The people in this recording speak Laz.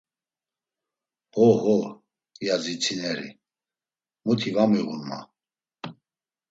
“Ho ho!” ya zitsineri; “Muti va miğun ma.”